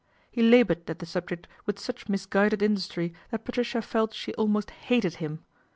He laboured at the subject with such misguided industry that Patricia felt she almost hated him.